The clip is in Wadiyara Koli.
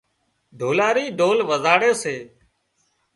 ڍولاري ڍول وزاڙي سي